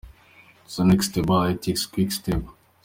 Zdenek Stybar - Etixx - Quick-Step.